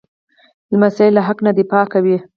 لمسی له حق نه دفاع کوي.